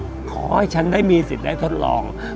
ขอให้ฉันได้มีสิทธิ์ได้ทดลอง